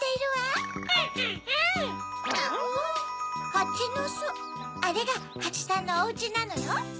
ハチのすあれがハチさんのおうちなのよ。